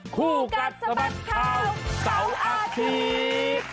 ครู้กัดสะบัดขอบเสาร์อาทีม